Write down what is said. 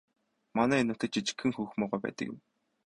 Манай энэ нутагт жижигхэн хөх могой байдаг юм.